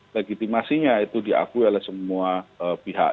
legitimasinya itu diakui oleh semua pihak